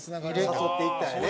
誘っていったんやね